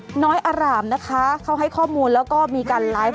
น้อยอารามนะคะเขาให้ข้อมูลแล้วก็มีการไลฟ์